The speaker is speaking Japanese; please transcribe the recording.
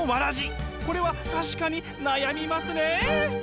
これは確かに悩みますね！